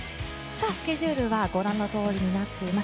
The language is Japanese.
スケジュールはご覧のとおりになっています。